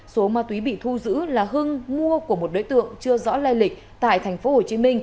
số ma túy bị thu giữ là hưng mua của một đối tượng chưa rõ lai lịch tại tp hcm